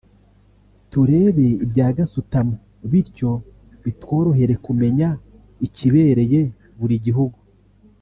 turebe ibya za gasutamo bityo bitworohere kumenya ikibereye buri gihugu